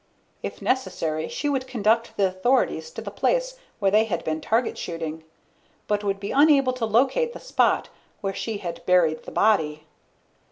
If necessary, she would conduct the authorities to the place where they had been target shooting, but would be unable to locate the spot where she had buried the body.